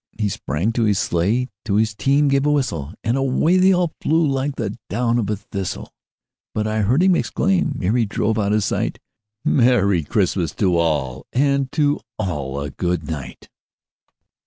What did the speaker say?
He sprang to his sleigh, to his team gave a whistle, And away they all flew like the down of a thistle; But I heard him exclaim, ere he drove out of sight, "Merry Christmas to all, and to all a good night!"